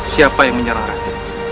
siapa yang menyerang raden